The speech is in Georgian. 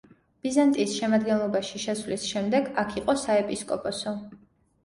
ბიზანტიის შემადგენლობაში შესვლის შემდეგ აქ იყო საეპისკოპოსო.